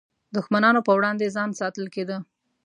دښمنانو پر وړاندې ځان ساتل کېده.